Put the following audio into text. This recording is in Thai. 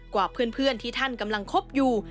กว่าเพื่อนที่ท่านกำลังคบอยู่